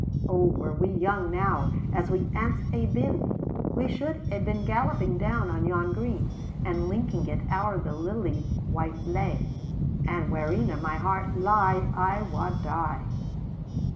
"O were we young now as we ance hae been, We should hae been galloping down on yon green, And linking it owre the lily white lea And werena my heart light I wad die."